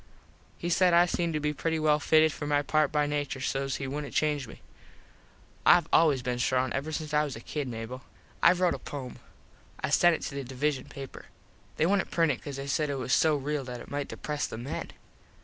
He said I seemed to be pretty well fitted for my part by nature so he wouldnt change me. Ive always been strong ever since I was a kid, Mable. Ive rote a pome. I sent it to the Divisun paper. They wouldnt print it cause they said it was so real that it might depres the men.